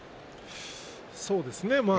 そうですね。